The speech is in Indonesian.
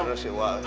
terima kasih wak